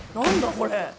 これ。